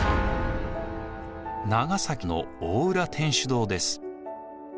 長崎の大浦天主堂です。